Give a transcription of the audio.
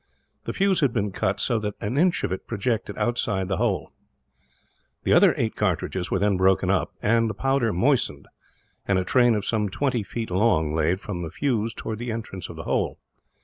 The fuse had been cut so that an inch of it projected outside the hole. The other eight cartridges were then broken up, and the powder moistened; and a train some two feet long laid, from the fuse towards the entrance of the hole.